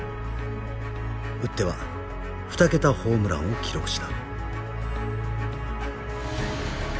打っては２桁ホームランを記録した。